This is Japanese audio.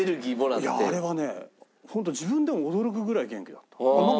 いやあれはねホント自分でも驚くぐらい元気だった。